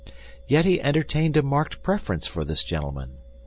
Yet he entertained a marked preference for this gentleman.